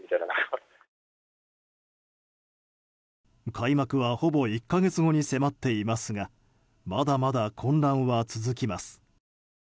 開幕はほぼ１か月後に迫っていますがまだまだ混乱は続きます。